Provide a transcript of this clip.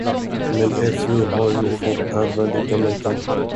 Men er fru har ju fått ärva lika mycket.